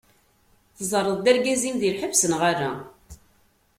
Tẓerreḍ-d argaz-im di lḥebs neɣ ala?